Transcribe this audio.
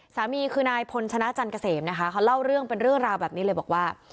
สามีคือนายพลชนะจันเกษมนะคะเขาเล่าเรื่องเป็นเรื่องราวแบบนี้เลยบอกว่า